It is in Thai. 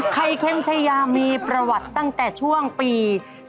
เข้มชายามีประวัติตั้งแต่ช่วงปี๒๕๖